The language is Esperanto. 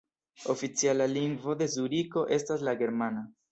Oficiala lingvo de Zuriko estas la germana.